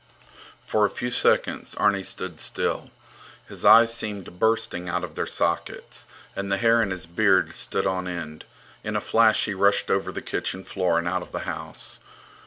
For a few seconds Arni stood still. His eyes seemed bursting out of their sockets, and the hair in his beard stood on end. In a flash he rushed over the kitchen floor and out of the house.